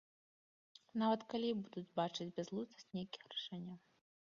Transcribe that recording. Нават калі і будуць бачыць бязглуздасць нейкіх рашэнняў.